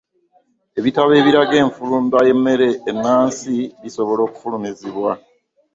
Ebitabo ebiraga enfumba y’emmere ennansi bisobola okufulumizibwa.